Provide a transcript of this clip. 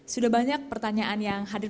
sudah banyak pertanyaan yang hadir